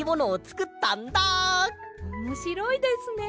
おもしろいですね。